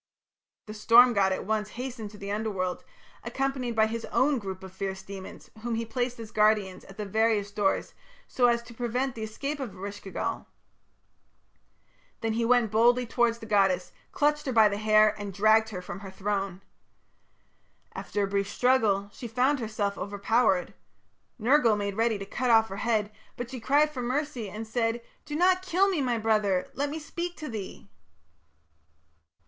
The storm god at once hastened to the Underworld, accompanied by his own group of fierce demons, whom he placed as guardians at the various doors so as to prevent the escape of Eresh ki gal. Then he went boldly towards the goddess, clutched her by the hair, and dragged her from her throne. After a brief struggle, she found herself overpowered. Nergal made ready to cut off her head, but she cried for mercy and said: "Do not kill me, my brother! Let me speak to thee."